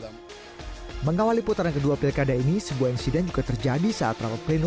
mengawali putaran kedua pilkada ini sebuah insiden juga terjadi saat rapat pleno